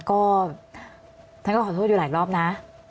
ก็ท่านก็ขอโทษอยู่หลายรอบนะ